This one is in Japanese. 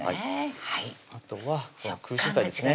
あとはこの空心菜ですね